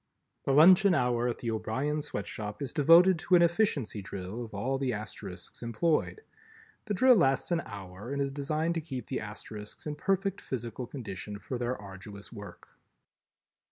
The luncheon hour at the O'Brien Sweatshop is devoted to an Efficiency Drill of all the Asterisks employed. The Drill lasts an hour and is designed to keep the Asterisks in perfect physical condition for their arduous work.